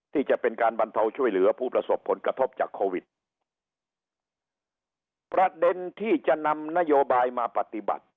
ที่จะเป็นการบรรเทาช่วยเหลือผู้ประสบผลกระทบจากโควิดประเด็นที่จะนำนโยบายมาปฏิบัติ